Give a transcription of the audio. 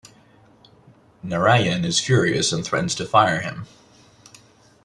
Narayan is furious and threatens to fire him.